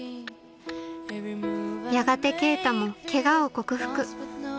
やがて慶太もケガを克服